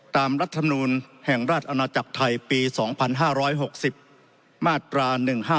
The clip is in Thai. รัฐมนูลแห่งราชอาณาจักรไทยปี๒๕๖๐มาตรา๑๕๗